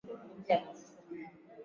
nyanyasa wanafunzi badala yake unanuua